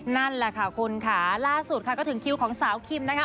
นั่นแหละค่ะคุณค่ะล่าสุดค่ะก็ถึงคิวของสาวคิมนะคะ